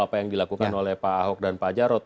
apa yang dilakukan oleh pak ahok dan pak jarod